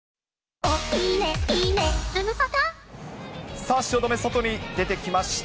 さあ、汐留、外に出てきました。